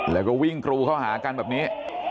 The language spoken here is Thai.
แล้วก็วิ่งกรูเข้าหากันแบบนี้